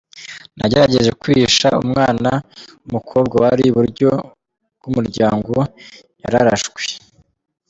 Nagerageje kwihisha, umwana w’umukobwa wari iburyo bw’umuryango yararashwe.”